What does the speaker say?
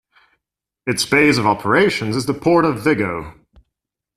Its base of operations is the port of Vigo.